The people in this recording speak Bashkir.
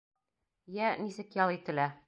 Йә, нисек ял ителә?